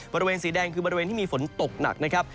บริเวณสีแดงคือบริเวณที่มีฝนตกหนักนะครับ